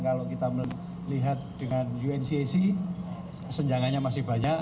kalau kita melihat dengan uncac senjangannya masih banyak